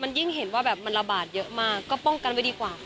ยิ่งเห็นว่าแบบมันระบาดเยอะมากก็ป้องกันไว้ดีกว่า